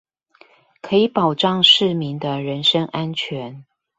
可以保障市民的人身安全